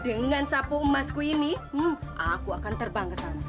dengan sapu emasku ini aku akan terbang ke sana